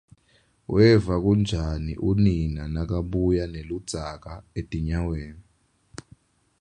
Weva kunjani unina nakabuya neludzaka etinyaweni?